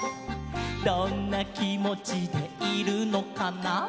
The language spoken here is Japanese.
「どんなきもちでいるのかな」